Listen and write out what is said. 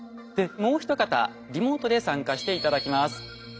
もう一方リモートで参加して頂きます。